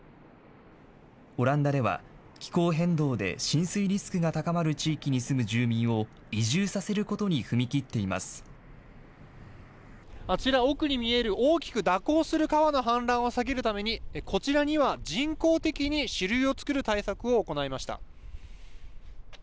オランダでは、気候変動で浸水リスクが高まる地域に住む住民を移住させることにあちら、奥に見える大きく蛇行する川の氾濫を避けるために、こちらには人工的に支流を作る対策を行いました。